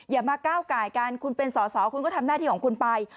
อย่ามาก้าวไก่กันคุณเป็นสอสอคุณก็ทำหน้าที่ของคุณไป